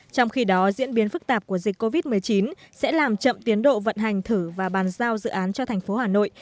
trong khi đó diễn biến phức tạp của dịch covid một mươi chín sẽ làm chậm tiến độ vận hành thử và bàn giao dự án cho thành phố hà nội